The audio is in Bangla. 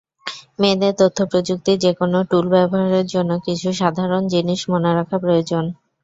মেয়েদের তথ্যপ্রযুক্তির যেকোনো টুল ব্যবহারের জন্য কিছু সাধারণ জিনিস মনে রাখা প্রয়োজন।